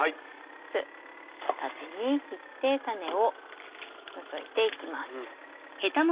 まず縦に切って種を除いていきます。